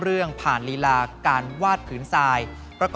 เยื่อเก็นชีพเฉาเหมามัว